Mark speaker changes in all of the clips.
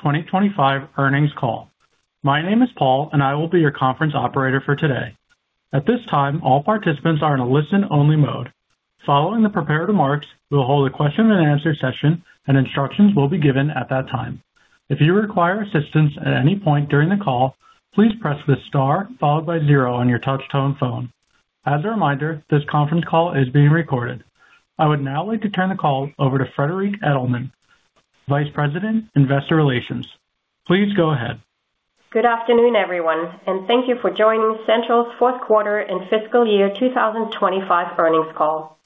Speaker 1: 2025 earnings call. My name is Paul, and I will be your conference operator for today. At this time, all participants are in a listen-only mode. Following the prepared remarks, we will hold a question-and-answer session, and instructions will be given at that time. If you require assistance at any point during the call, please press the star followed by zero on your touch-tone phone. As a reminder, this conference call is being recorded. I would now like to turn the call over to Friederike Edelmann, Vice President, Investor Relations. Please go ahead.
Speaker 2: Good afternoon, everyone, and thank you for joining Central's Fourth Quarter and Fiscal Year 2025 earnings call.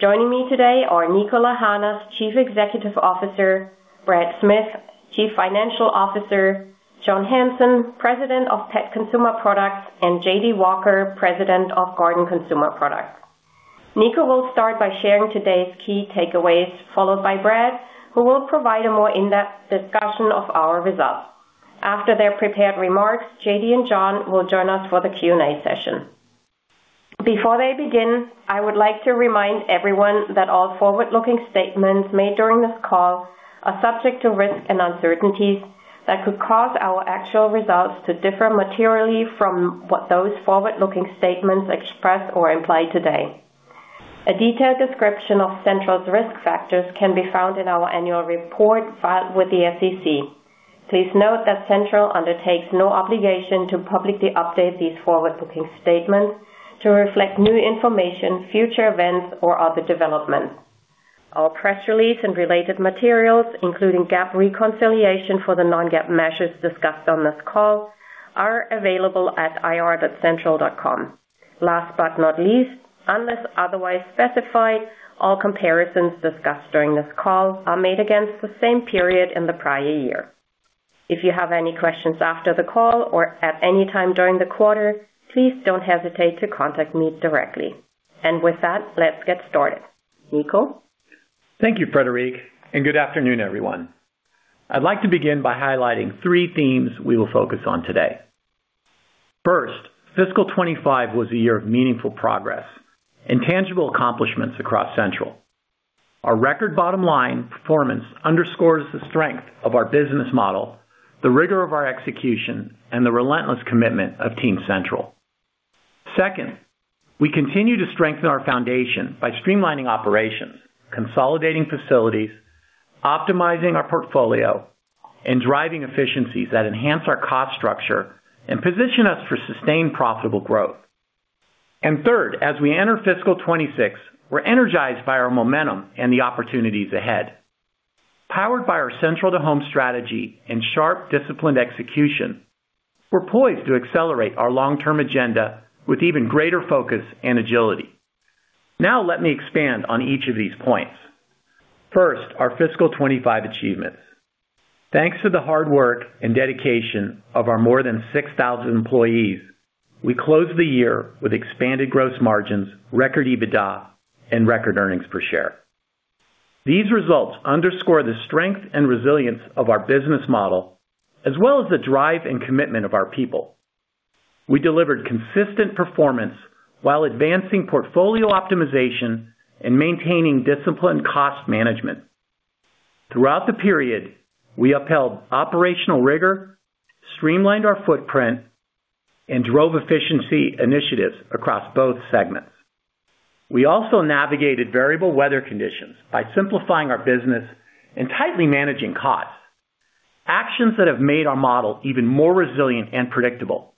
Speaker 2: Joining me today are Niko Lahanas, Chief Executive Officer; Brad Smith, Chief Financial Officer; John Hanson, President of Pet Consumer Products; and J.D. Walker, President of Garden Consumer Products. Niko will start by sharing today's key takeaways, followed by Brad, who will provide a more in-depth discussion of our results. After their prepared remarks, J.D. and John will join us for the Q&A session. Before they begin, I would like to remind everyone that all forward-looking statements made during this call are subject to risk and uncertainties that could cause our actual results to differ materially from what those forward-looking statements express or imply today. A detailed description of Central's risk factors can be found in our annual report filed with the SEC. Please note that Central undertakes no obligation to publicly update these forward-looking statements to reflect new information, future events, or other developments. Our press release and related materials, including GAAP reconciliation for the non-GAAP measures discussed on this call, are available at ir.central.com. Last but not least, unless otherwise specified, all comparisons discussed during this call are made against the same period in the prior year. If you have any questions after the call or at any time during the quarter, please do not hesitate to contact me directly. With that, let's get started. Niko?
Speaker 3: Thank you, Friederike, and good afternoon, everyone. I'd like to begin by highlighting three themes we will focus on today. First, fiscal 2025 was a year of meaningful progress and tangible accomplishments across Central. Our record bottom line performance underscores the strength of our business model, the rigor of our execution, and the relentless commitment of Team Central. Second, we continue to strengthen our foundation by streamlining operations, consolidating facilities, optimizing our portfolio, and driving efficiencies that enhance our cost structure and position us for sustained profitable growth. Third, as we enter fiscal 2026, we're energized by our momentum and the opportunities ahead. Powered by our central-to-home strategy and sharp, disciplined execution, we're poised to accelerate our long-term agenda with even greater focus and agility. Now, let me expand on each of these points. First, our fiscal 2025 achievements. Thanks to the hard work and dedication of our more than 6,000 employees, we closed the year with expanded gross margins, record EBITDA, and record earnings per share. These results underscore the strength and resilience of our business model, as well as the drive and commitment of our people. We delivered consistent performance while advancing portfolio optimization and maintaining disciplined cost management. Throughout the period, we upheld operational rigor, streamlined our footprint, and drove efficiency initiatives across both segments. We also navigated variable weather conditions by simplifying our business and tightly managing costs, actions that have made our model even more resilient and predictable.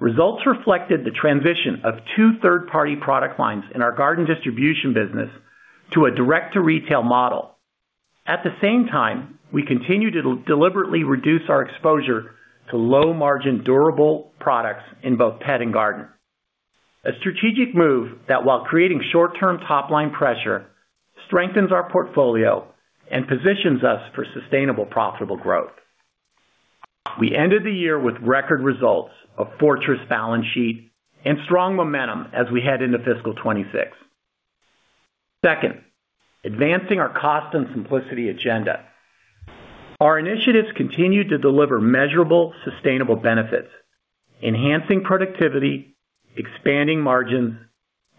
Speaker 3: Results reflected the transition of two third-party product lines in our garden distribution business to a direct-to-retail model. At the same time, we continue to deliberately reduce our exposure to low-margin, durable products in both pet and garden. A strategic move that, while creating short-term top-line pressure, strengthens our portfolio and positions us for sustainable, profitable growth. We ended the year with record results, a fortress balance sheet, and strong momentum as we head into fiscal 2026. Second, advancing our cost and simplicity agenda. Our initiatives continue to deliver measurable, sustainable benefits, enhancing productivity, expanding margins,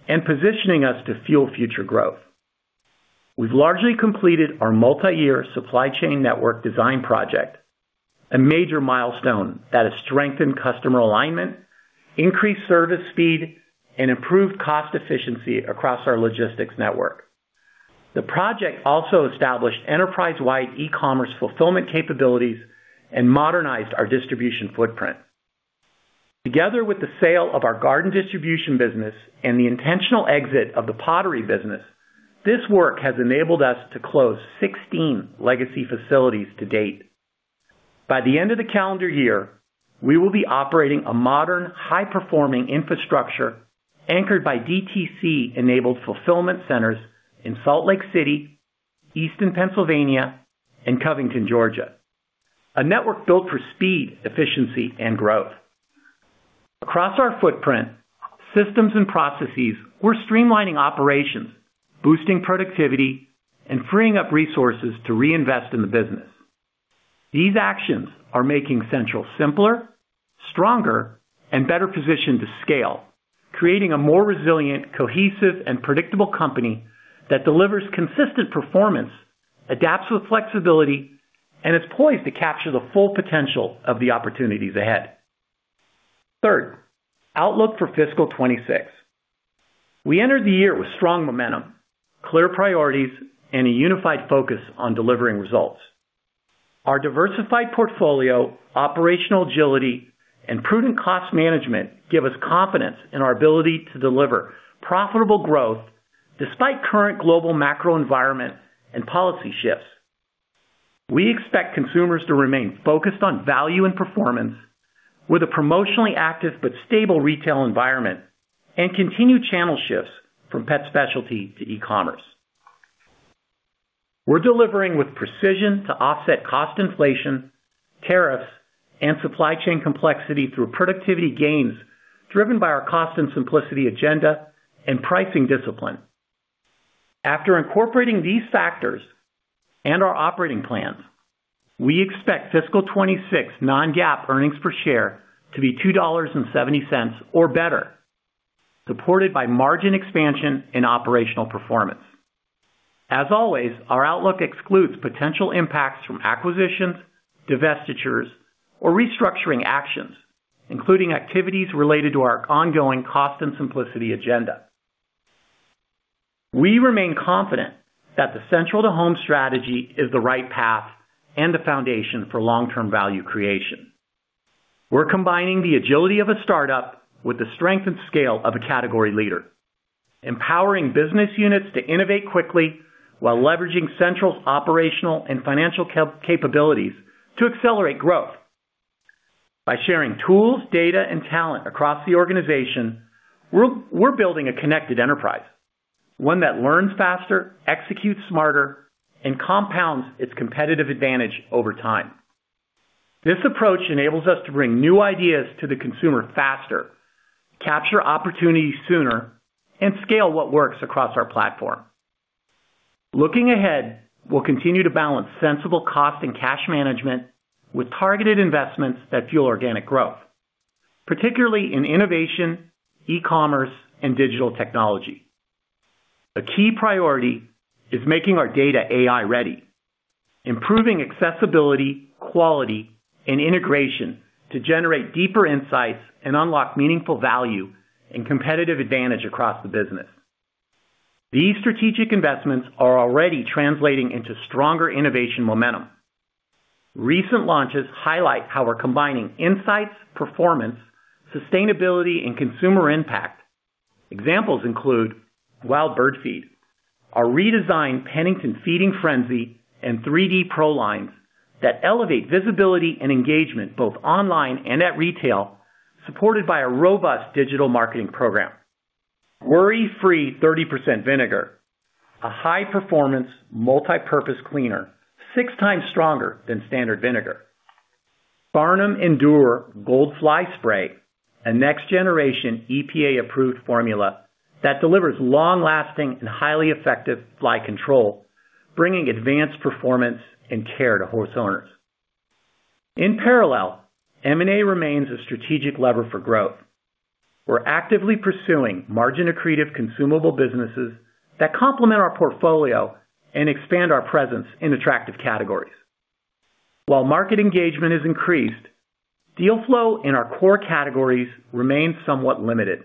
Speaker 3: and positioning us to fuel future growth. We have largely completed our multi-year supply chain network design project, a major milestone that has strengthened customer alignment, increased service speed, and improved cost efficiency across our logistics network. The project also established enterprise-wide e-commerce fulfillment capabilities and modernized our distribution footprint. Together with the sale of our garden distribution business and the intentional exit of the pottery business, this work has enabled us to close 16 legacy facilities to date. By the end of the calendar year, we will be operating a modern, high-performing infrastructure anchored by DTC-enabled fulfillment centers in Salt Lake City, Eastern Pennsylvania, and Covington, Georgia. A network built for speed, efficiency, and growth. Across our footprint, systems and processes, we're streamlining operations, boosting productivity, and freeing up resources to reinvest in the business. These actions are making Central simpler, stronger, and better positioned to scale, creating a more resilient, cohesive, and predictable company that delivers consistent performance, adapts with flexibility, and is poised to capture the full potential of the opportunities ahead. Third, outlook for fiscal 2026. We entered the year with strong momentum, clear priorities, and a unified focus on delivering results. Our diversified portfolio, operational agility, and prudent cost management give us confidence in our ability to deliver profitable growth despite current global macro environment and policy shifts. We expect consumers to remain focused on value and performance with a promotionally active but stable retail environment and continue channel shifts from pet specialty to e-commerce. We're delivering with precision to offset cost inflation, tariffs, and supply chain complexity through productivity gains driven by our cost and simplicity agenda and pricing discipline. After incorporating these factors and our operating plans, we expect fiscal 2026 non-GAAP earnings per share to be $2.70 or better, supported by margin expansion and operational performance. As always, our outlook excludes potential impacts from acquisitions, divestitures, or restructuring actions, including activities related to our ongoing cost and simplicity agenda. We remain confident that the central-to-home strategy is the right path and the foundation for long-term value creation. We're combining the agility of a startup with the strength and scale of a category leader, empowering business units to innovate quickly while leveraging Central's operational and financial capabilities to accelerate growth. By sharing tools, data, and talent across the organization, we're building a connected enterprise, one that learns faster, executes smarter, and compounds its competitive advantage over time. This approach enables us to bring new ideas to the consumer faster, capture opportunities sooner, and scale what works across our platform. Looking ahead, we'll continue to balance sensible cost and cash management with targeted investments that fuel organic growth, particularly in innovation, e-commerce, and digital technology. A key priority is making our data AI-ready, improving accessibility, quality, and integration to generate deeper insights and unlock meaningful value and competitive advantage across the business. These strategic investments are already translating into stronger innovation momentum. Recent launches highlight how we're combining insights, performance, sustainability, and consumer impact. Examples include Wild Bird Feed, our redesigned Pennington Feeding Frenzy, and 3D Pro Lines that elevate visibility and engagement both online and at retail, supported by a robust digital marketing program. Worry-Free 30% Vinegar, a high-performance, multi-purpose cleaner, six times stronger than standard vinegar. Farnam Endure Gold Fly Spray, a next-generation EPA-approved formula that delivers long-lasting and highly effective fly control, bringing advanced performance and care to horse owners. In parallel, M&A remains a strategic lever for growth. We're actively pursuing margin-accretive consumable businesses that complement our portfolio and expand our presence in attractive categories. While market engagement has increased, deal flow in our core categories remains somewhat limited.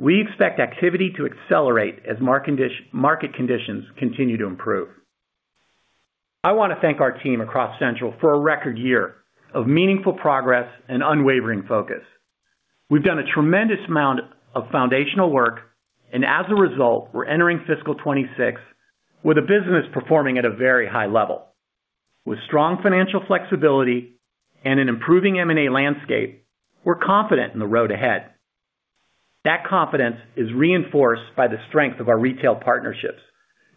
Speaker 3: We expect activity to accelerate as market conditions continue to improve. I want to thank our team across Central for a record year of meaningful progress and unwavering focus. We've done a tremendous amount of foundational work, and as a result, we're entering fiscal 2026 with a business performing at a very high level. With strong financial flexibility and an improving M&A landscape, we're confident in the road ahead. That confidence is reinforced by the strength of our retail partnerships,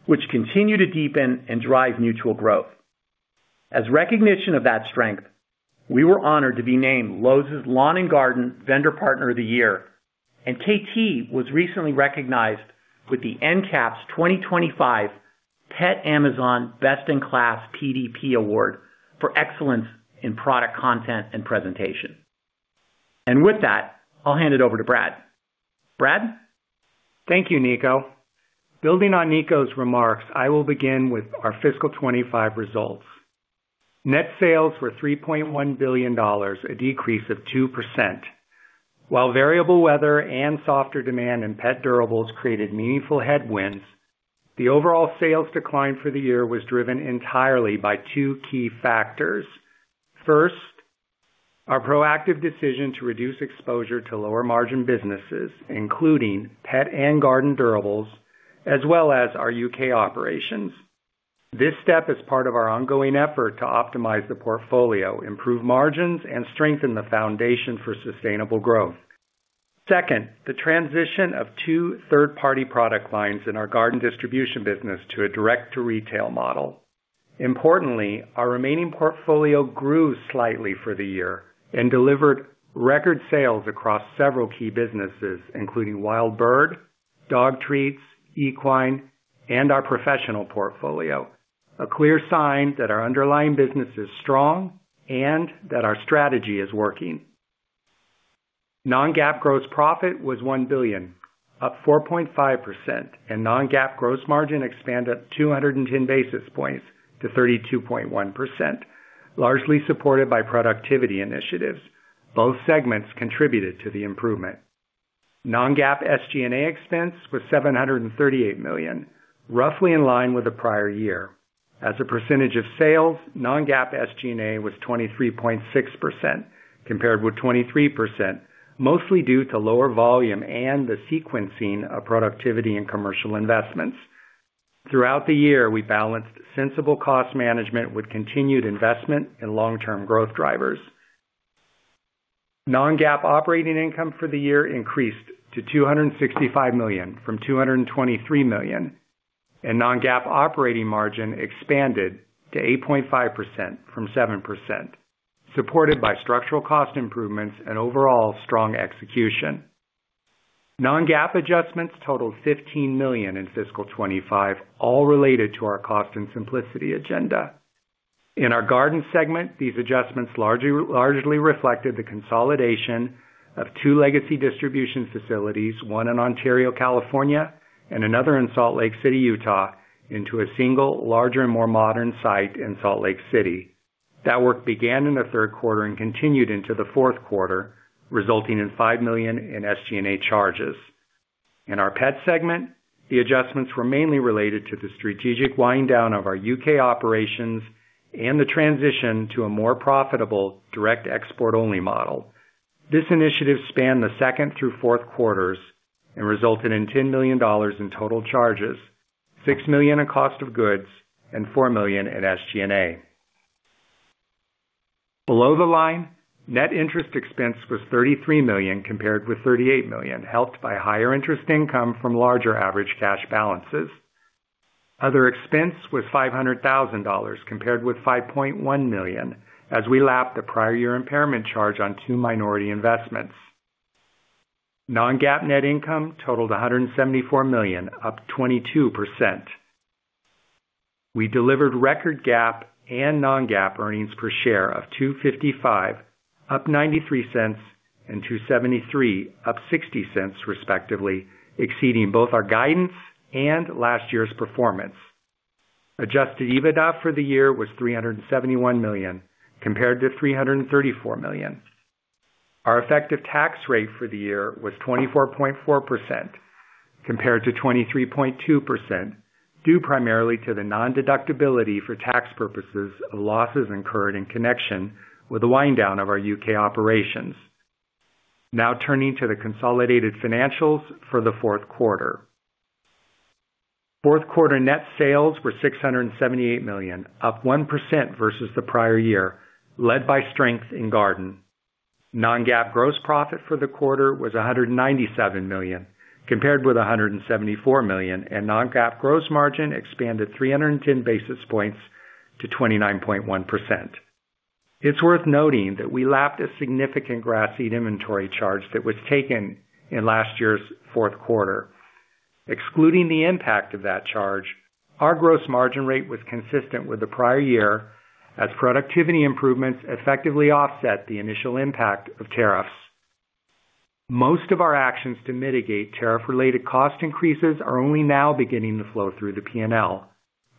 Speaker 3: which continue to deepen and drive mutual growth. As recognition of that strength, we were honored to be named Lowe's Lawn & Garden Vendor Partner of the Year, and KT was recently recognized with the NCAPPS 2025 Pet Amazon Best in Class PDP Award for excellence in product content and presentation. With that, I'll hand it over to Brad. Brad?
Speaker 4: Thank you, Niko. Building on Niko's remarks, I will begin with our fiscal 2025 results. Net sales were $3.1 billion, a decrease of two percent. While variable weather and softer demand in pet durables created meaningful headwinds, the overall sales decline for the year was driven entirely by two key factors. First, our proactive decision to reduce exposure to lower-margin businesses, including pet and garden durables, as well as our U.K. operations. This step is part of our ongoing effort to optimize the portfolio, improve margins, and strengthen the foundation for sustainable growth. Second, the transition of two third-party product lines in our garden distribution business to a direct-to-retail model. Importantly, our remaining portfolio grew slightly for the year and delivered record sales across several key businesses, including wild bird, dog treats, equine, and our professional portfolio. A clear sign that our underlying business is strong and that our strategy is working. Non-GAAP gross profit was $1 billion, up 4.5%, and non-GAAP gross margin expanded 210 basis points to 32.1%, largely supported by productivity initiatives. Both segments contributed to the improvement. Non-GAAP SG&A expense was $738 million, roughly in line with the prior year. As a percentage of sales, non-GAAP SG&A was 23.6%, compared with 23%, mostly due to lower volume and the sequencing of productivity and commercial investments. Throughout the year, we balanced sensible cost management with continued investment and long-term growth drivers. Non-GAAP operating income for the year increased to $265 million from $223 million, and non-GAAP operating margin expanded to 8.5% from seven percent, supported by structural cost improvements and overall strong execution. Non-GAAP adjustments totaled $15 million in fiscal 2025, all related to our cost and simplicity agenda. In our garden segment, these adjustments largely reflected the consolidation of two legacy distribution facilities, one in Ontario, California, and another in Salt Lake City, Utah, into a single, larger, and more modern site in Salt Lake City. That work began in the third quarter and continued into the fourth quarter, resulting in $5 million in SG&A charges. In our pet segment, the adjustments were mainly related to the strategic wind down of our U.K. operations and the transition to a more profitable direct export-only model. This initiative spanned the second through fourth quarters and resulted in $10 million in total charges, $6 million in cost of goods, and $4 million in SG&A. Below the line, net interest expense was $33 million compared with $38 million, helped by higher interest income from larger average cash balances. Other expense was $500,000 compared with $5.1 million as we lapped the prior year impairment charge on two minority investments. Non-GAAP net income totaled $174 million, up 22%. We delivered record GAAP and non-GAAP earnings per share of $2.55, up $0.93, and $2.73, up $0.60, respectively, exceeding both our guidance and last year's performance. Adjusted EBITDA for the year was $371 million compared to $334 million. Our effective tax rate for the year was 24.4% compared to 23.2%, due primarily to the non-deductibility for tax purposes of losses incurred in connection with the wind down of our U.K. operations. Now turning to the consolidated financials for the fourth quarter. Fourth quarter net sales were $678 million, up 1% versus the prior year, led by strength in garden. Non-GAAP gross profit for the quarter was $197 million compared with $174 million, and non-GAAP gross margin expanded 310 basis points to 29.1%. It's worth noting that we lapped a significant grass seed inventory charge that was taken in last year's fourth quarter. Excluding the impact of that charge, our gross margin rate was consistent with the prior year as productivity improvements effectively offset the initial impact of tariffs. Most of our actions to mitigate tariff-related cost increases are only now beginning to flow through the P&L,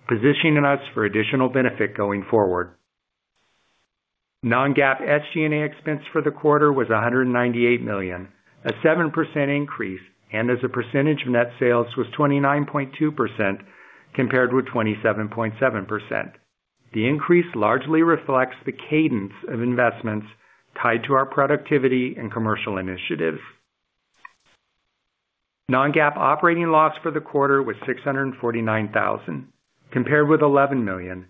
Speaker 4: positioning us for additional benefit going forward. Non-GAAP SG&A expense for the quarter was $198 million, a seven percent increase, and as a percentage of net sales was 29.2% compared with 27.7%. The increase largely reflects the cadence of investments tied to our productivity and commercial initiatives. Non-GAAP operating loss for the quarter was $649,000 compared with $11 million,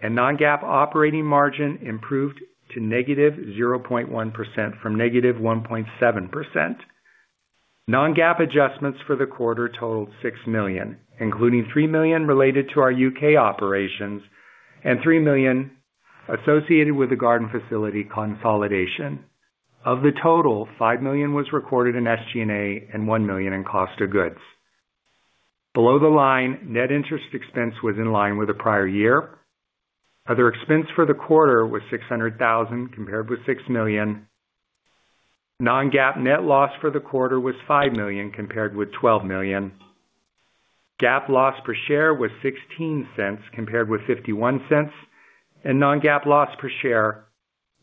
Speaker 4: and non-GAAP operating margin improved to negative 0.1% from negative 1.7%. Non-GAAP adjustments for the quarter totaled $6 million, including $3 million related to our U.K. operations and $3 million associated with the garden facility consolidation. Of the total, $5 million was recorded in SG&A and $1 million in cost of goods. Below the line, net interest expense was in line with the prior year. Other expense for the quarter was $600,000 compared with $6 million. Non-GAAP net loss for the quarter was $5 million compared with $12 million. GAAP loss per share was 16 cents compared with 51 cents, and non-GAAP loss per share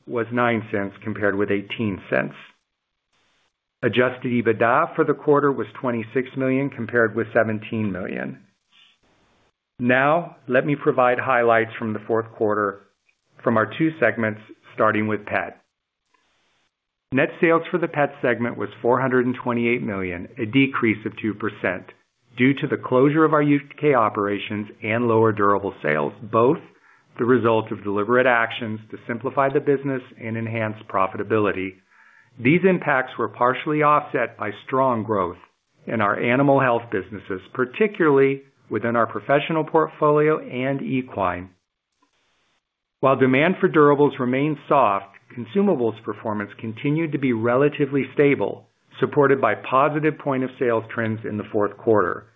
Speaker 4: was 9 cents compared with 18 cents. Adjusted EBITDA for the quarter was $26 million compared with $17 million. Now, let me provide highlights from the fourth quarter from our two segments starting with pet. Net sales for the pet segment was $428 million, a decrease of two percent due to the closure of our U.K. operations and lower durable sales, both the result of deliberate actions to simplify the business and enhance profitability. These impacts were partially offset by strong growth in our animal health businesses, particularly within our professional portfolio and Equine. While demand for durables remained soft, consumables performance continued to be relatively stable, supported by positive point-of-sale trends in the fourth quarter.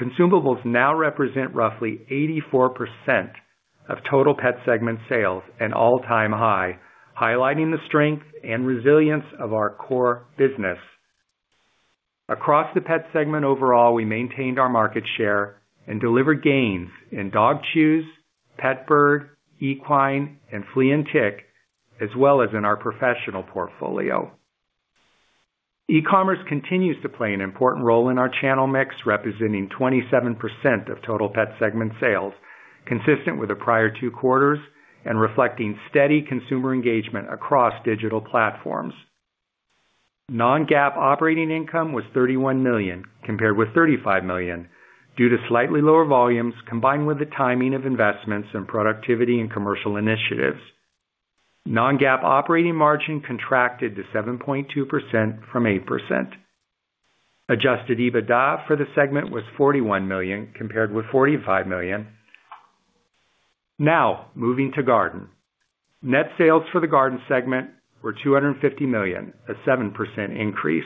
Speaker 4: Consumables now represent roughly 84% of total pet segment sales, an all-time high, highlighting the strength and resilience of our core business. Across the pet segment overall, we maintained our market share and delivered gains in dog chews, pet bird, Equine, and flea and tick, as well as in our professional portfolio. E-commerce continues to play an important role in our channel mix, representing 27% of total pet segment sales, consistent with the prior two quarters and reflecting steady consumer engagement across digital platforms. Non-GAAP operating income was $31 million compared with $35 million due to slightly lower volumes combined with the timing of investments and productivity and commercial initiatives. Non-GAAP operating margin contracted to 7.2% from eight percent. Adjusted EBITDA for the segment was $41 million compared with $45 million. Now, moving to garden. Net sales for the garden segment were $250 million, a seven percent increase.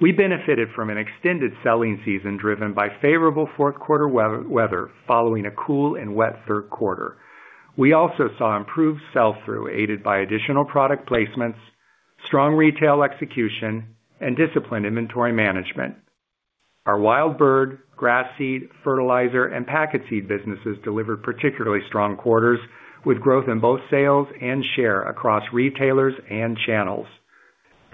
Speaker 4: We benefited from an extended selling season driven by favorable fourth-quarter weather following a cool and wet third quarter. We also saw improved sell-through aided by additional product placements, strong retail execution, and disciplined inventory management. Our wild bird, grass seed, fertilizer, and packet seed businesses delivered particularly strong quarters with growth in both sales and share across retailers and channels.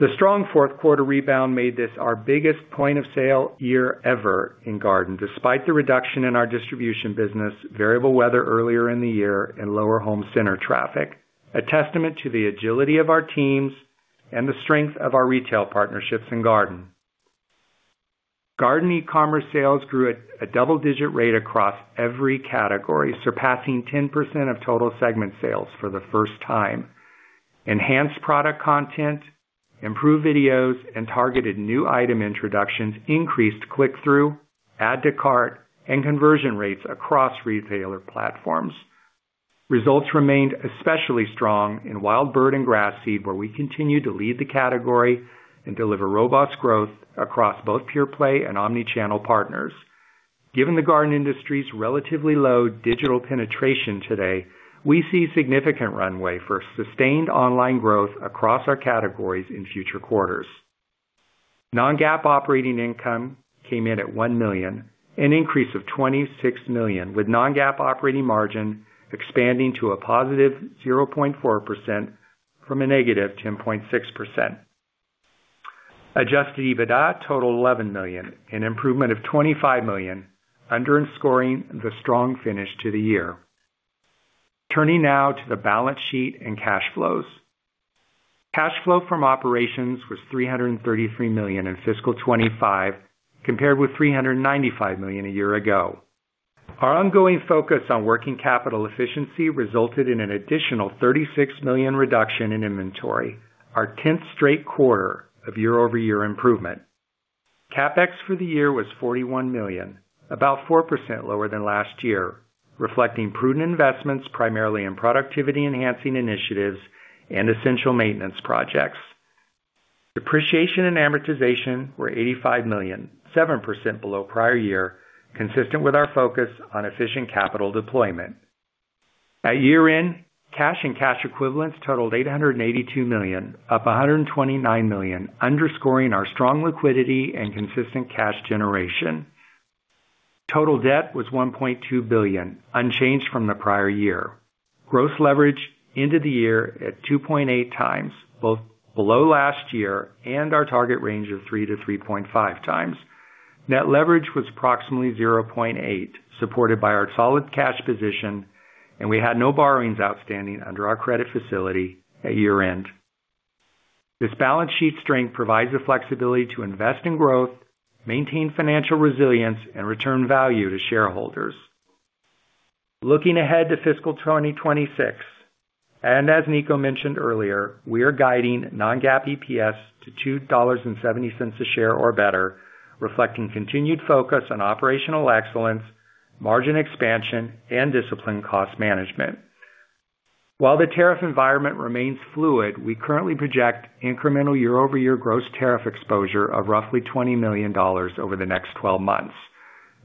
Speaker 4: The strong fourth-quarter rebound made this our biggest point-of-sale year ever in garden, despite the reduction in our distribution business, variable weather earlier in the year, and lower home center traffic, a testament to the agility of our teams and the strength of our retail partnerships in garden. Garden e-commerce sales grew at a double-digit rate across every category, surpassing 10% of total segment sales for the first time. Enhanced product content, improved videos, and targeted new item introductions increased click-through, add-to-cart, and conversion rates across retailer platforms. Results remained especially strong in wild bird and grass seed, where we continue to lead the category and deliver robust growth across both PurePlay and Omnichannel partners. Given the garden industry's relatively low digital penetration today, we see significant runway for sustained online growth across our categories in future quarters. Non-GAAP operating income came in at $1 million, an increase of $26 million, with non-GAAP operating margin expanding to a +0.4% from a -10.6%. Adjusted EBITDA totaled $11 million, an improvement of $25 million, underscoring the strong finish to the year. Turning now to the balance sheet and cash flows. Cash flow from operations was $333 million in fiscal 2025 compared with $395 million a year ago. Our ongoing focus on working capital efficiency resulted in an additional $36 million reduction in inventory, our 10th straight quarter of year-over-year improvement. CapEx for the year was $41 million, about four percent lower than last year, reflecting prudent investments primarily in productivity-enhancing initiatives and essential maintenance projects. Depreciation and amortization were $85 million, seven percent below prior year, consistent with our focus on efficient capital deployment. At year-end, cash and cash equivalents totaled $882 million, up $129 million, underscoring our strong liquidity and consistent cash generation. Total debt was $1.2 billion, unchanged from the prior year. Gross leverage ended the year at 2.8x, both below last year and our target range of 3-3.5x. Net leverage was approximately 0.8, supported by our solid cash position, and we had no borrowings outstanding under our credit facility at year-end. This balance sheet strength provides the flexibility to invest in growth, maintain financial resilience, and return value to shareholders. Looking ahead to fiscal 2026, and as Niko mentioned earlier, we are guiding non-GAAP EPS to $2.70 a share or better, reflecting continued focus on operational excellence, margin expansion, and disciplined cost management. While the tariff environment remains fluid, we currently project incremental year-over-year gross tariff exposure of roughly $20 million over the next 12 months.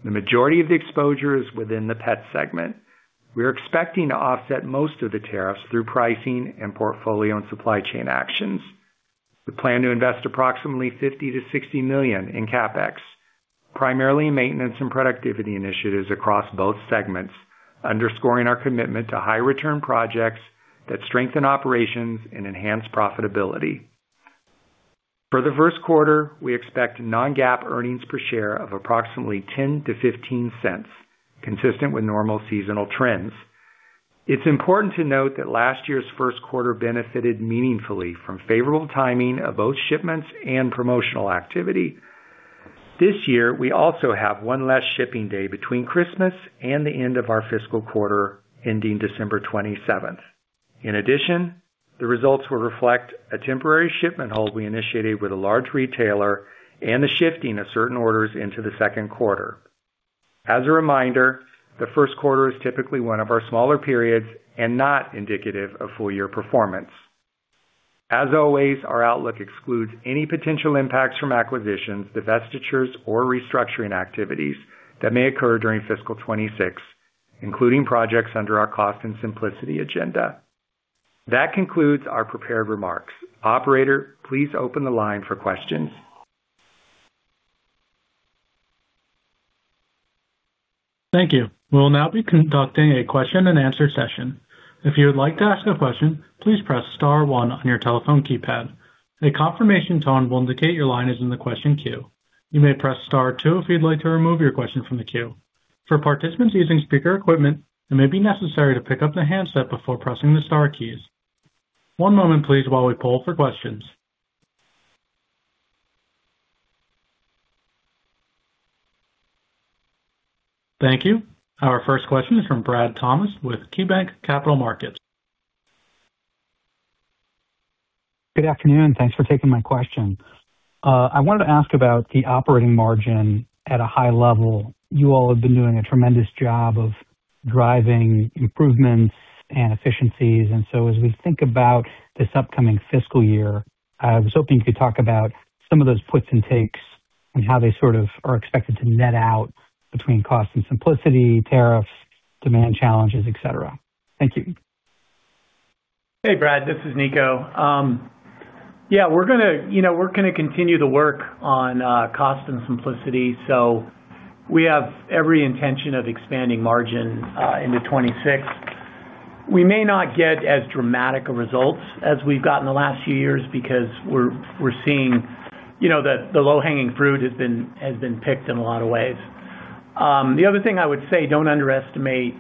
Speaker 4: The majority of the exposure is within the pet segment. We are expecting to offset most of the tariffs through pricing and portfolio and supply chain actions. We plan to invest approximately $50 million-$60 million in CapEx, primarily in maintenance and productivity initiatives across both segments, underscoring our commitment to high-return projects that strengthen operations and enhance profitability. For the first quarter, we expect non-GAAP earnings per share of approximately 10 cents-15 cents, consistent with normal seasonal trends. It's important to note that last year's first quarter benefited meaningfully from favorable timing of both shipments and promotional activity. This year, we also have one less shipping day between Christmas and the end of our fiscal quarter ending December 27. In addition, the results will reflect a temporary shipment hold we initiated with a large retailer and the shifting of certain orders into the second quarter. As a reminder, the first quarter is typically one of our smaller periods and not indicative of full-year performance. As always, our outlook excludes any potential impacts from acquisitions, divestitures, or restructuring activities that may occur during fiscal 2026, including projects under our cost and simplicity agenda. That concludes our prepared remarks. Operator, please open the line for questions.
Speaker 1: Thank you. We'll now be conducting a question-and-answer session. If you would like to ask a question, please press star one on your telephone keypad. A confirmation tone will indicate your line is in the question queue. You may press star two if you'd like to remove your question from the queue. For participants using speaker equipment, it may be necessary to pick up the handset before pressing the Star keys. One moment, please, while we pull for questions. Thank you. Our first question is from Brad Thomas with KeyBanc Capital Markets.
Speaker 5: Good afternoon. Thanks for taking my question. I wanted to ask about the operating margin at a high level. You all have been doing a tremendous job of driving improvements and efficiencies. As we think about this upcoming fiscal year, I was hoping you could talk about some of those puts and takes and how they sort of are expected to net out between cost and simplicity, tariffs, demand challenges, etc. Thank you.
Speaker 3: Hey, Brad. This is Niko. Yeah, we're going to continue to work on cost and simplicity. We have every intention of expanding margin into 2026. We may not get as dramatic a result as we've gotten the last few years because we're seeing that the low-hanging fruit has been picked in a lot of ways. The other thing I would say, don't underestimate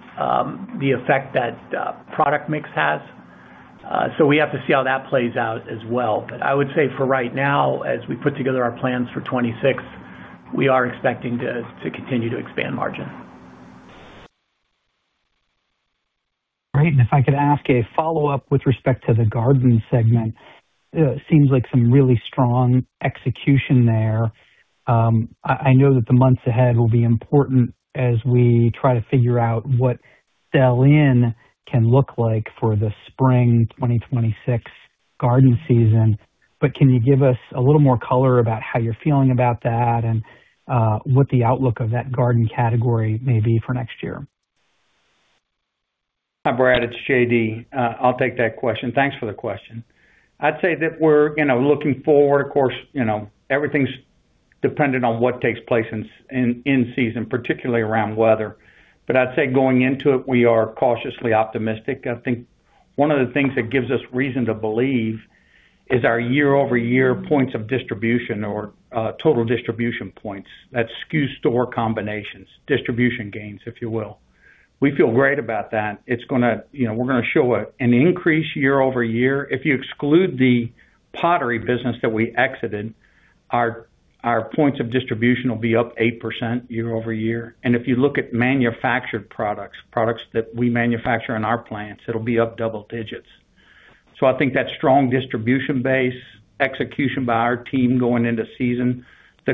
Speaker 3: the effect that product mix has. We have to see how that plays out as well. I would say for right now, as we put together our plans for 2026, we are expecting to continue to expand margin.
Speaker 5: Great. If I could ask a follow-up with respect to the garden segment, it seems like some really strong execution there. I know that the months ahead will be important as we try to figure out what sell-in can look like for the spring 2026 garden season. Can you give us a little more color about how you're feeling about that and what the outlook of that garden category may be for next year?
Speaker 6: Hi, Brad. It's J.D.. I'll take that question. Thanks for the question. I'd say that we're looking forward. Of course, everything's dependent on what takes place in season, particularly around weather. I'd say going into it, we are cautiously optimistic. I think one of the things that gives us reason to believe is our year-over-year points of distribution or total distribution points. That's SKU store combinations, distribution gains, if you will. We feel great about that. We're going to show an increase year-over-year. If you exclude the pottery business that we exited, our points of distribution will be up eight percent year-over-year. If you look at manufactured products, products that we manufacture in our plants, it'll be up double digits. I think that strong distribution base, execution by our team going into season, the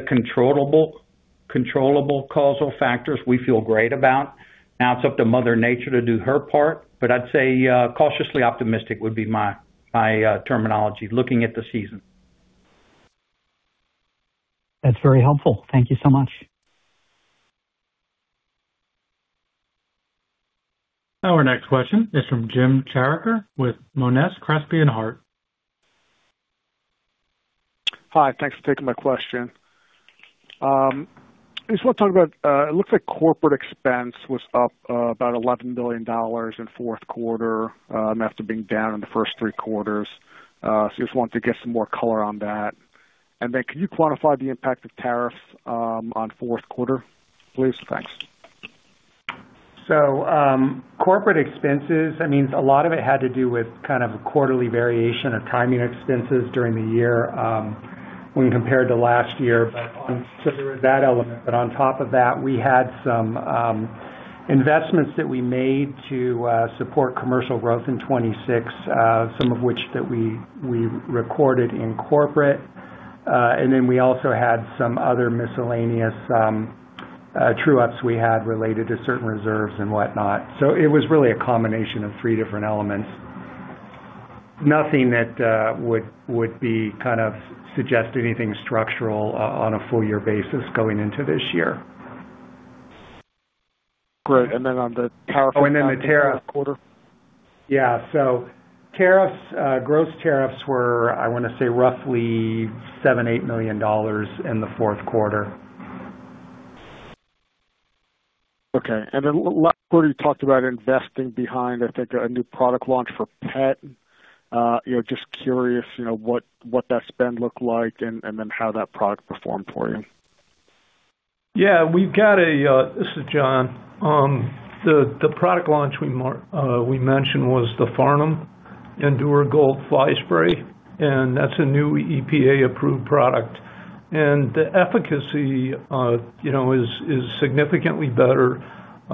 Speaker 6: controllable causal factors, we feel great about. Now, it's up to Mother Nature to do her part, but I'd say cautiously optimistic would be my terminology, looking at the season.
Speaker 5: That's very helpful. Thank you so much.
Speaker 1: Our next question is from Jim Chartier with Monness Crespi Hardt.
Speaker 7: Hi. Thanks for taking my question. I just want to talk about, it looks like corporate expense was up about $11 million in fourth quarter after being down in the first three quarters. I just wanted to get some more color on that. And then can you quantify the impact of tariffs on fourth quarter, please? Thanks.
Speaker 4: Corporate expenses, I mean, a lot of it had to do with kind of quarterly variation of timing expenses during the year when compared to last year. Considering that element, on top of that, we had some investments that we made to support commercial growth in 2026, some of which we recorded in corporate. We also had some other miscellaneous true-ups related to certain reserves and whatnot. It was really a combination of three different elements. Nothing that would suggest anything structural on a full-year basis going into this year.
Speaker 7: Great. On the tariffs for the fourth quarter?
Speaker 4: Yeah. Gross tariffs were, I want to say, roughly $7 million-$8 million in the fourth quarter.
Speaker 7: Okay. Last quarter, you talked about investing behind, I think, a new product launch for pet. Just curious what that spend looked like and how that product performed for you.
Speaker 8: Yeah. This is John. The product launch we mentioned was the Farnam Endure Gold Fly Spray, and that's a new EPA-approved product. The efficacy is significantly better.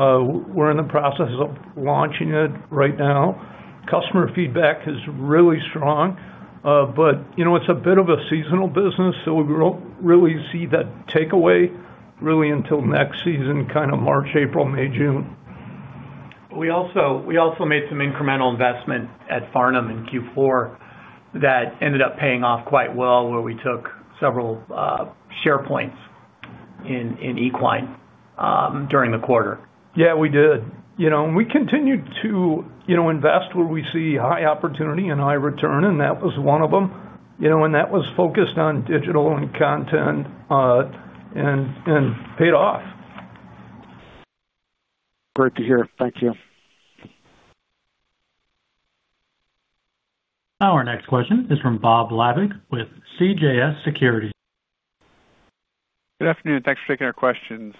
Speaker 8: We're in the process of launching it right now. Customer feedback is really strong. It's a bit of a seasonal business, so we won't really see that takeaway really until next season, kind of March, April, May, June.
Speaker 4: We also made some incremental investment at Farnam in Q4 that ended up paying off quite well, where we took several share points in equine during the quarter.
Speaker 8: Yeah, we did. We continued to invest where we see high opportunity and high return, and that was one of them. That was focused on digital and content and paid off.
Speaker 7: Great to hear. Thank you.
Speaker 1: Our next question is from Bob Labick with CJS Securities.
Speaker 9: Good afternoon. Thanks for taking our questions.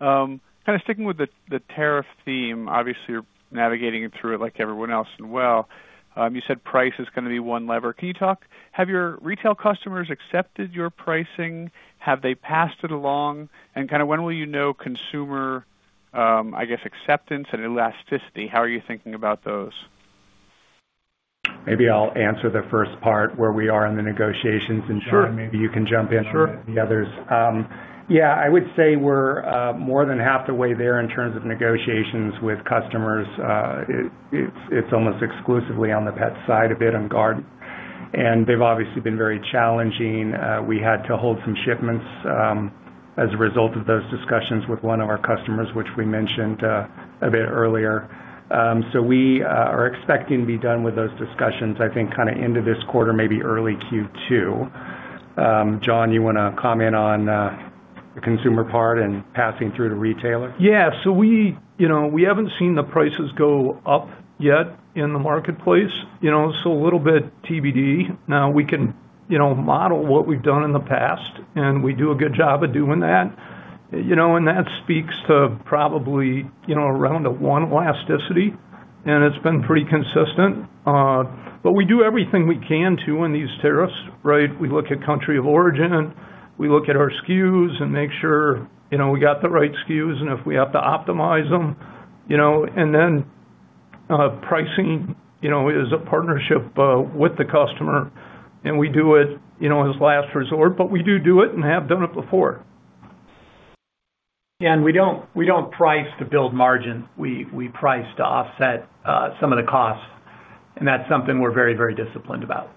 Speaker 9: Kind of sticking with the tariff theme, obviously, you're navigating through it like everyone else and well. You said price is going to be one lever. Have your retail customers accepted your pricing? Have they passed it along? Kind of when will you know consumer, I guess, acceptance and elasticity? How are you thinking about those?
Speaker 4: Maybe I'll answer the first part, where we are in the negotiations, and John, maybe you can jump in with the others. I would say we're more than half the way there in terms of negotiations with customers. It's almost exclusively on the pet side of it and garden. They've obviously been very challenging. We had to hold some shipments as a result of those discussions with one of our customers, which we mentioned a bit earlier. We are expecting to be done with those discussions, I think, kind of into this quarter, maybe early Q2. John, you want to comment on the consumer part and passing through to retailer?
Speaker 8: Yeah. We have not seen the prices go up yet in the marketplace, so a little bit TBD. Now, we can model what we have done in the past, and we do a good job of doing that. That speaks to probably around a one elasticity, and it has been pretty consistent. We do everything we can too in these tariffs, right? We look at country of origin. We look at our SKUs and make sure we have the right SKUs and if we have to optimize them. Pricing is a partnership with the customer, and we do it as a last resort, but we do do it and have done it before.
Speaker 3: Yeah, and we do not price to build margin. We price to offset some of the costs, and that is something we are very, very disciplined about.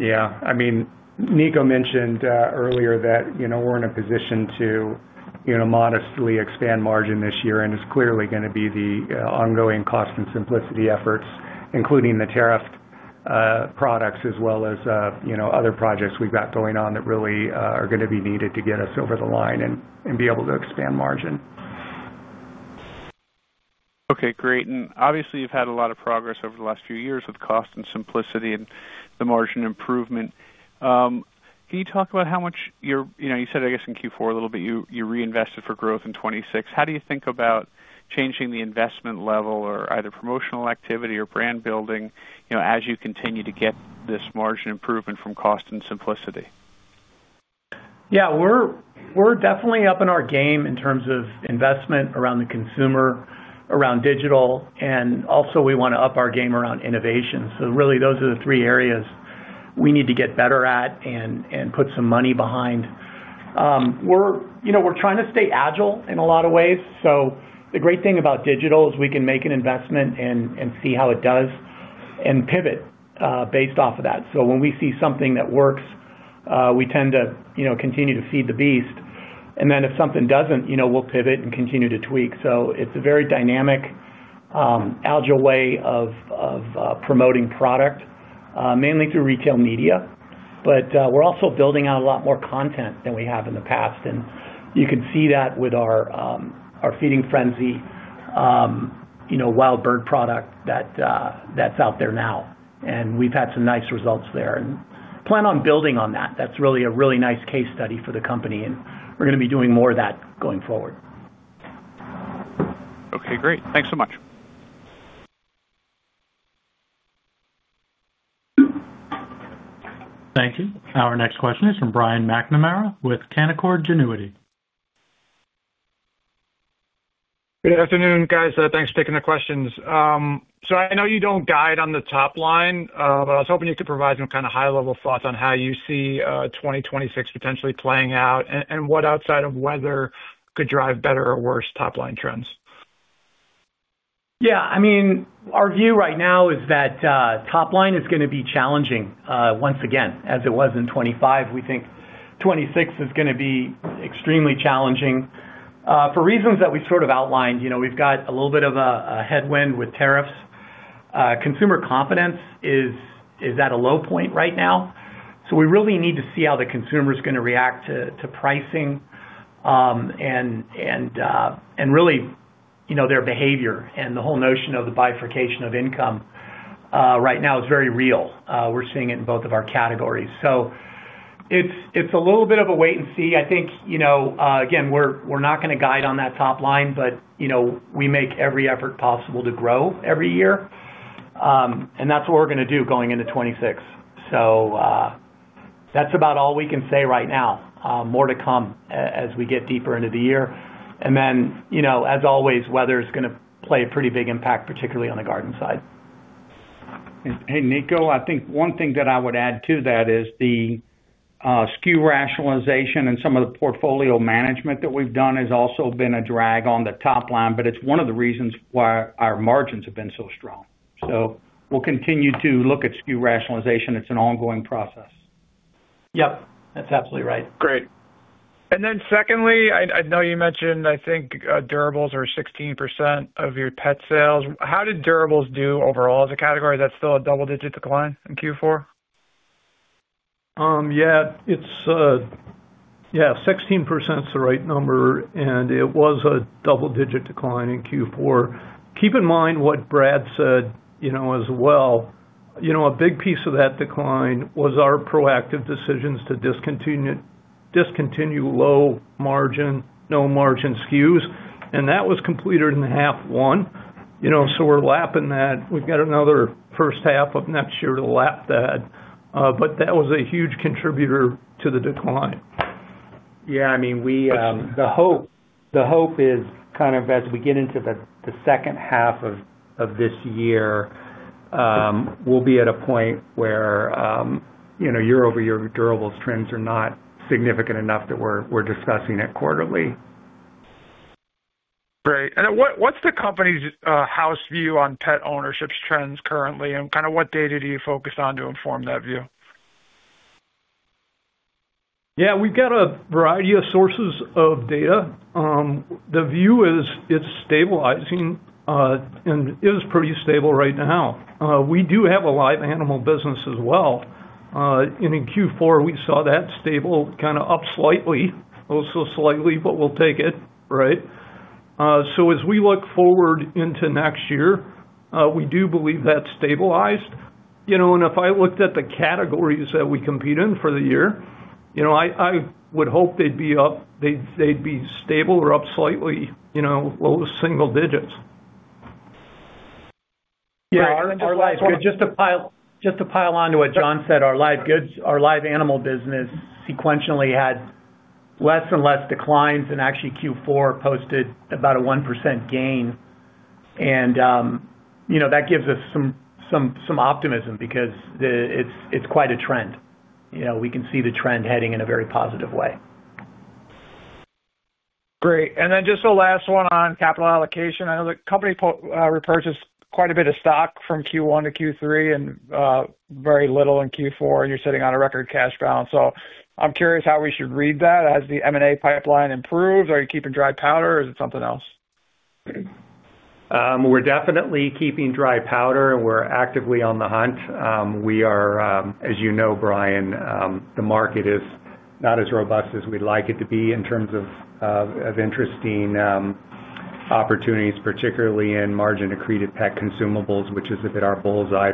Speaker 4: Yeah. I mean, Niko mentioned earlier that we are in a position to modestly expand margin this year, and it is clearly going to be the ongoing cost and simplicity efforts, including the tariff products as well as other projects we have got going on that really are going to be needed to get us over the line and be able to expand margin.
Speaker 9: Okay. Great. Obviously, you have had a lot of progress over the last few years with cost and simplicity and the margin improvement. Can you talk about how much you are—you said, I guess, in Q4 a little bit you reinvested for growth in 2026. How do you think about changing the investment level or either promotional activity or brand building as you continue to get this margin improvement from cost and simplicity?
Speaker 3: Yeah. We're definitely up in our game in terms of investment around the consumer, around digital, and also we want to up our game around innovation. Really, those are the three areas we need to get better at and put some money behind. We're trying to stay agile in a lot of ways. The great thing about digital is we can make an investment and see how it does and pivot based off of that. When we see something that works, we tend to continue to feed the beast. If something doesn't, we'll pivot and continue to tweak. It's a very dynamic, agile way of promoting product, mainly through retail media. We're also building out a lot more content than we have in the past. You can see that with our Feeding Frenzy wild bird product that's out there now. We've had some nice results there and plan on building on that. That's really a really nice case study for the company. We're going to be doing more of that going forward.
Speaker 9: Okay. Great. Thanks so much.
Speaker 1: Thank you. Our next question is from Brian McNamara with Canaccord Genuity.
Speaker 10: Good afternoon, guys. Thanks for taking the questions. I know you don't guide on the top line, but I was hoping you could provide some kind of high-level thoughts on how you see 2026 potentially playing out and what outside of weather could drive better or worse top-line trends.
Speaker 3: Yeah. I mean, our view right now is that top-line is going to be challenging once again, as it was in 2025. We think 2026 is going to be extremely challenging for reasons that we sort of outlined. We've got a little bit of a headwind with tariffs. Consumer confidence is at a low point right now. We really need to see how the consumer is going to react to pricing and really their behavior. The whole notion of the bifurcation of income right now is very real. We're seeing it in both of our categories. It's a little bit of a wait and see. I think, again, we're not going to guide on that top line, but we make every effort possible to grow every year. That's what we're going to do going into 2026. That's about all we can say right now. More to come as we get deeper into the year. As always, weather is going to play a pretty big impact, particularly on the garden side.
Speaker 6: Hey, Niko, I think one thing that I would add to that is the SKU rationalization and some of the portfolio management that we've done has also been a drag on the top line, but it's one of the reasons why our margins have been so strong. We will continue to look at SKU rationalization. It's an ongoing process.
Speaker 3: Yep. That's absolutely right.
Speaker 10: Great. Secondly, I know you mentioned, I think, durables are 16% of your pet sales. How did durables do overall as a category? Is that still a double-digit decline in Q4?
Speaker 8: Yeah. Yeah. 16% is the right number, and it was a double-digit decline in Q4. Keep in mind what Brad said as well. A big piece of that decline was our proactive decisions to discontinue low-margin, no-margin SKUs. That was completed in half one. We're lapping that. We've got another first half of next year to lap that. That was a huge contributor to the decline.
Speaker 4: Yeah. I mean, the hope is kind of as we get into the second half of this year, we'll be at a point where year-over-year durables trends are not significant enough that we're discussing it quarterly.
Speaker 10: Great. What's the company's house view on pet ownership trends currently? What data do you focus on to inform that view?
Speaker 8: Yeah. We've got a variety of sources of data. The view is it's stabilizing and is pretty stable right now. We do have a live animal business as well. In Q4, we saw that stable kind of up slightly, also slightly, but we'll take it, right? As we look forward into next year, we do believe that's stabilized. If I looked at the categories that we compete in for the year, I would hope they'd be up. They'd be stable or up slightly, low single digits.
Speaker 3: Yeah. Our live goods. Just to pile onto what John said, our live animal business sequentially had less and less declines, and actually Q4 posted about a one percent gain. That gives us some optimism because it's quite a trend. We can see the trend heading in a very positive way.
Speaker 10: Great. Just the last one on capital allocation. I know the company repurchased quite a bit of stock from Q1-Q3 and very little in Q4, and you're sitting on a record cash balance. I'm curious how we should read that. Has the M&A pipeline improved? Are you keeping dry powder, or is it something else?
Speaker 4: We're definitely keeping dry powder, and we're actively on the hunt. As you know, Brian, the market is not as robust as we'd like it to be in terms of interesting opportunities, particularly in margin-accreted pet consumables, which is a bit our bullseye.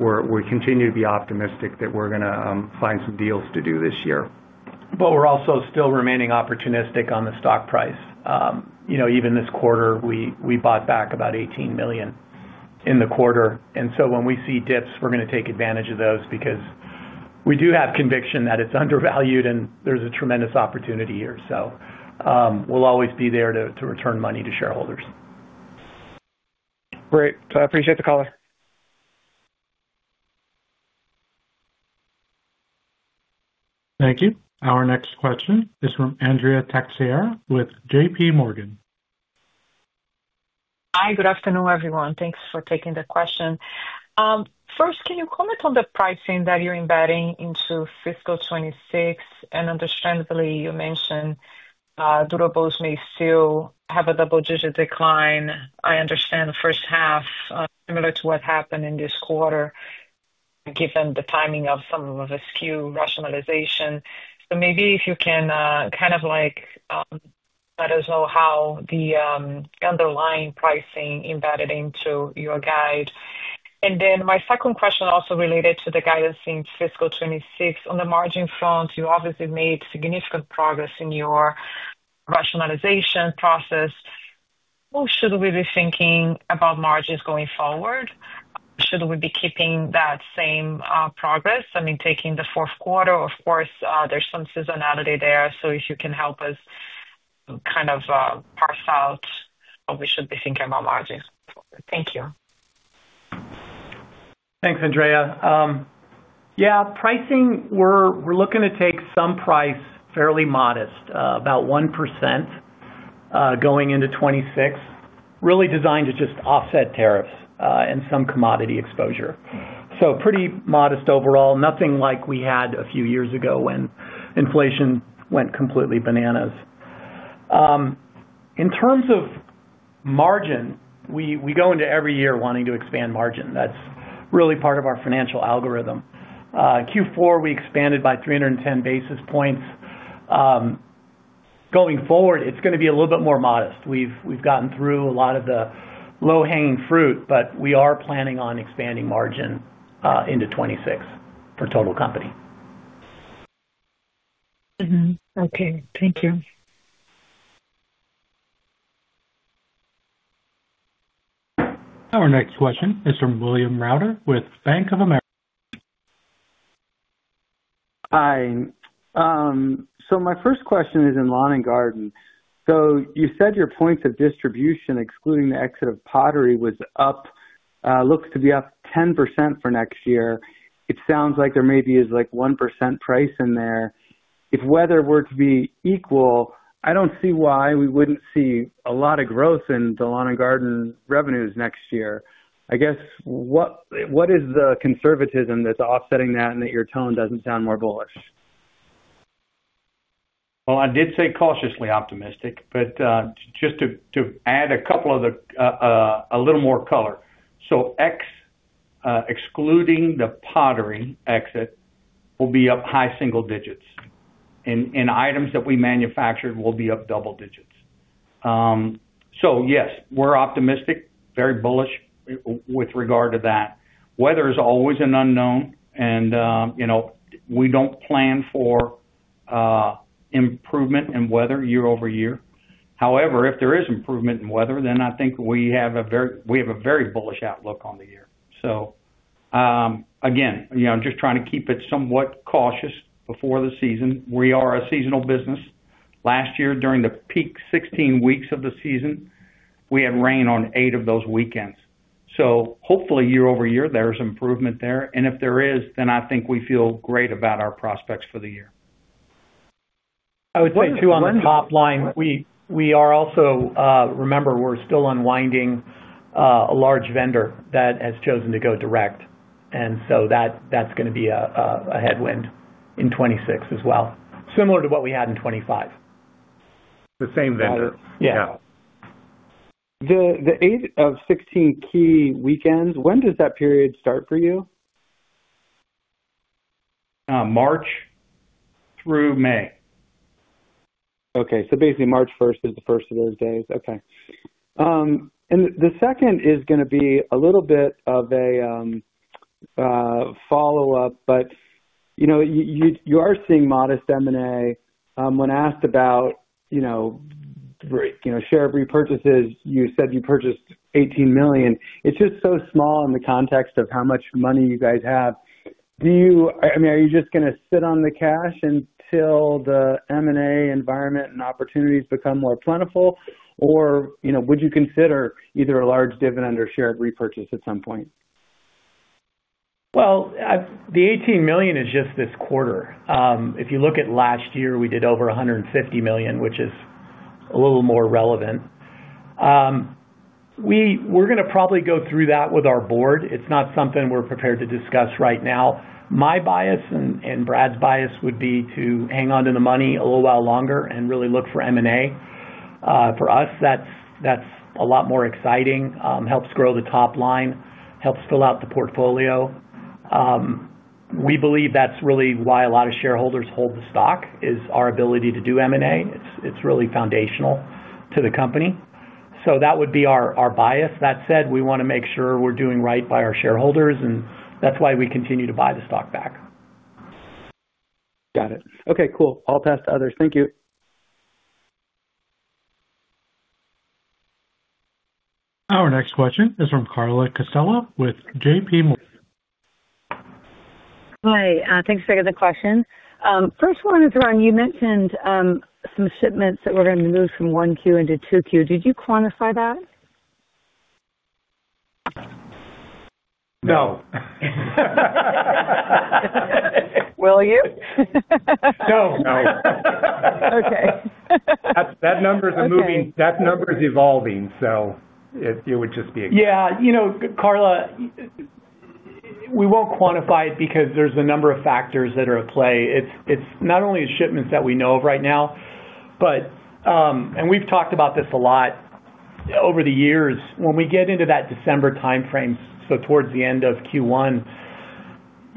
Speaker 4: We continue to be optimistic that we're going to find some deals to do this year. We're also still remaining opportunistic on the stock price. Even this quarter, we bought back about $18 million in the quarter. When we see dips, we're going to take advantage of those because we do have conviction that it's undervalued and there's a tremendous opportunity here. We'll always be there to return money to shareholders.
Speaker 10: Great. I appreciate the caller.
Speaker 1: Thank you. Our next question is from Andrea Teixeira with JPMorgan.
Speaker 11: Hi. Good afternoon, everyone. Thanks for taking the question. First, can you comment on the pricing that you're embedding into fiscal 2026? You mentioned durables may still have a double-digit decline. I understand the first half, similar to what happened in this quarter, given the timing of some of the SKU rationalization. Maybe if you can kind of let us know how the underlying pricing is embedded into your guide. My second question is also related to the guidance in fiscal 2026. On the margin front, you obviously made significant progress in your rationalization process. What should we be thinking about margins going forward? Should we be keeping that same progress? I mean, taking the fourth quarter, of course, there's some seasonality there. If you can help us kind of parse out what we should be thinking about margins. Thank you.
Speaker 3: Thanks, Andrea. Yeah. Pricing, we're looking to take some price fairly modest, about one percent going into 2026, really designed to just offset tariffs and some commodity exposure. So pretty modest overall, nothing like we had a few years ago when inflation went completely bananas. In terms of margin, we go into every year wanting to expand margin. That's really part of our financial algorithm. Q4, we expanded by 310 basis points. Going forward, it's going to be a little bit more modest. We've gotten through a lot of the low-hanging fruit, but we are planning on expanding margin into 2026 for total company.
Speaker 11: Okay. Thank you.
Speaker 1: Our next question is from William Reuter with Bank of America.
Speaker 12: Hi. My first question is in lawn and garden. You said your points of distribution, excluding the exit of pottery, looks to be up 10% for next year. It sounds like there maybe is like one percent price in there. If weather were to be equal, I don't see why we wouldn't see a lot of growth in the lawn and garden revenues next year. I guess, what is the conservatism that's offsetting that and that your tone doesn't sound more bullish?
Speaker 6: I did say cautiously optimistic, but just to add a little more color. Excluding the pottery exit will be up high single digits, and items that we manufactured will be up double digits. Yes, we're optimistic, very bullish with regard to that. Weather is always an unknown, and we don't plan for improvement in weather year over year. However, if there is improvement in weather, then I think we have a very bullish outlook on the year. Again, I'm just trying to keep it somewhat cautious before the season. We are a seasonal business. Last year, during the peak 16 weeks of the season, we had rain on eight of those weekends. Hopefully, year over year, there is improvement there. If there is, then I think we feel great about our prospects for the year.
Speaker 3: I would say too on the top line, we are also, remember, we're still unwinding a large vendor that has chosen to go direct. That is going to be a headwind in 2026 as well, similar to what we had in 2025. The same vendor.
Speaker 4: Yeah.
Speaker 12: The eight of 16 key weekends, when does that period start for you?
Speaker 4: March through May.
Speaker 12: Okay. March 1st is the first of those days. Okay. The second is going to be a little bit of a follow-up, but you are seeing modest M&A. When asked about share repurchases, you said you purchased $18 million. It's just so small in the context of how much money you guys have. I mean, are you just going to sit on the cash until the M&A environment and opportunities become more plentiful, or would you consider either a large dividend or share repurchase at some point?
Speaker 3: The $18 million is just this quarter. If you look at last year, we did over $150 million, which is a little more relevant. We're going to probably go through that with our board. It's not something we're prepared to discuss right now. My bias and Brad's bias would be to hang on to the money a little while longer and really look for M&A. For us, that's a lot more exciting. Helps grow the top line, helps fill out the portfolio. We believe that's really why a lot of shareholders hold the stock is our ability to do M&A. It's really foundational to the company. That would be our bias. That said, we want to make sure we're doing right by our shareholders, and that's why we continue to buy the stock back.
Speaker 12: Got it. Okay. Cool. I'll pass to others. Thank you.
Speaker 1: Our next question is from Carla Casella with JPMorgan.
Speaker 13: Hi. Thanks for the question. First one is around you mentioned some shipments that were going to move from 1Q into 2Q. Did you quantify that?
Speaker 3: No.
Speaker 13: Will you?
Speaker 3: No. No.
Speaker 13: Okay.
Speaker 3: That number is evolving, so it would just be a guess. Yeah. Carla, we won't quantify it because there's a number of factors that are at play. It's not only shipments that we know of right now, but—as we've talked about this a lot over the years—when we get into that December timeframe, so towards the end of Q1,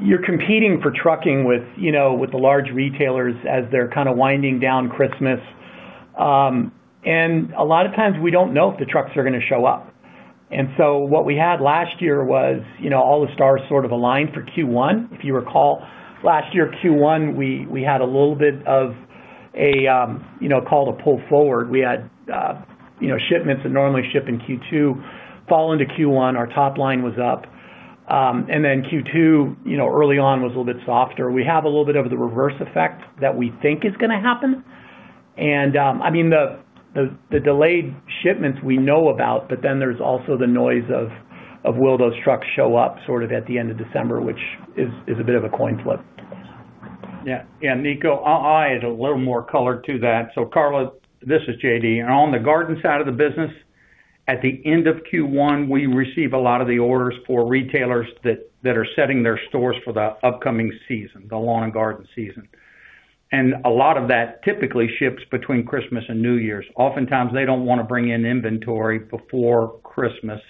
Speaker 3: you're competing for trucking with the large retailers as they're kind of winding down Christmas. A lot of times, we don't know if the trucks are going to show up. What we had last year was all the stars sort of aligned for Q1. If you recall, last year, Q1, we had a little bit of a—call it a pull forward. We had shipments that normally ship in Q2 fall into Q1. Our top line was up. Q2, early on, was a little bit softer. We have a little bit of the reverse effect that we think is going to happen. I mean, the delayed shipments we know about, but then there's also the noise of, "Will those trucks show up sort of at the end of December?" which is a bit of a coin flip.
Speaker 6: Yeah. Yeah. Niko, I'll add a little more color to that. Carla, this is J.D. And on the garden side of the business, at the end of Q1, we receive a lot of the orders for retailers that are setting their stores for the upcoming season, the lawn and garden season. A lot of that typically ships between Christmas and New Year's. Oftentimes, they don't want to bring in inventory before Christmas.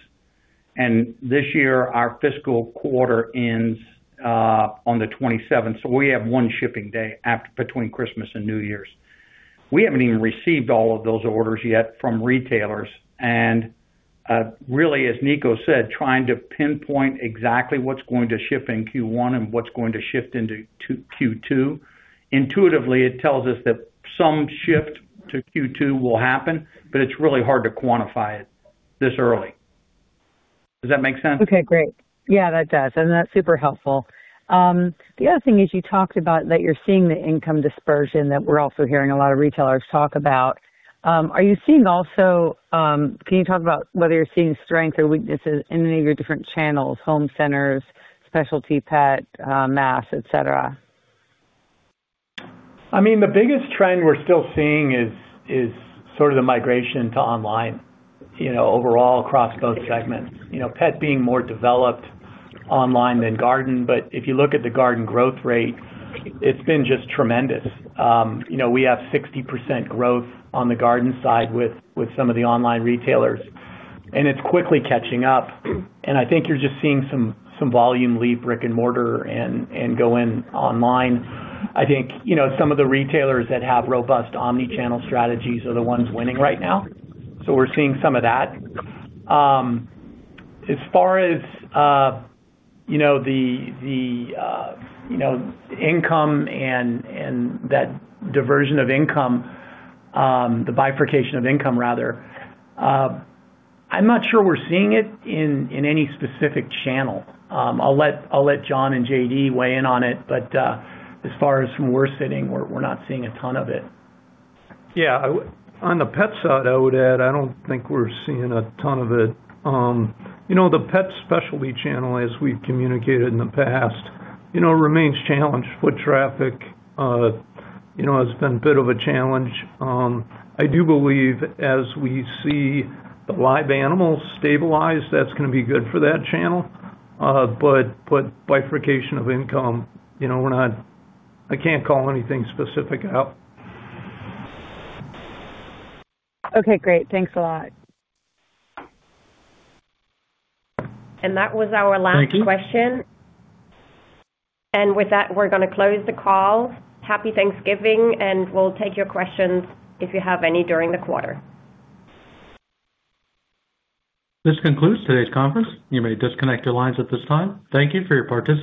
Speaker 6: This year, our fiscal quarter ends on the 27th. We have one shipping day between Christmas and New Year's. We have not even received all of those orders yet from retailers. Really, as Niko said, trying to pinpoint exactly what is going to ship in Q1 and what is going to shift into Q2, intuitively, it tells us that some shift to Q2 will happen, but it is really hard to quantify it this early. Does that make sense?
Speaker 13: Okay. Great. Yeah, that does. That is super helpful. The other thing is you talked about that you are seeing the income dispersion that we are also hearing a lot of retailers talk about. Are you seeing also—can you talk about whether you are seeing strengths or weaknesses in any of your different channels: home centers, specialty pet, mass, etc.?
Speaker 3: I mean, the biggest trend we are still seeing is sort of the migration to online overall across both segments, pet being more developed online than garden. If you look at the garden growth rate, it's been just tremendous. We have 60% growth on the garden side with some of the online retailers, and it's quickly catching up. I think you're just seeing some volume leap, brick and mortar, and go in online. I think some of the retailers that have robust omnichannel strategies are the ones winning right now. We're seeing some of that. As far as the income and that diversion of income, the bifurcation of income, rather, I'm not sure we're seeing it in any specific channel. I'll let John and J.D. weigh in on it, but as far as from where we're sitting, we're not seeing a ton of it.
Speaker 8: Yeah. On the pet side, I would add I don't think we're seeing a ton of it. The pet specialty channel, as we've communicated in the past, remains challenged. Foot traffic has been a bit of a challenge. I do believe as we see the live animals stabilize, that's going to be good for that channel. Bifurcation of income, I can't call anything specific out.
Speaker 13: Okay. Great. Thanks a lot.
Speaker 2: That was our last question. With that, we're going to close the call. Happy Thanksgiving, and we'll take your questions if you have any during the quarter.
Speaker 1: This concludes today's conference. You may disconnect your lines at this time. Thank you for your participation.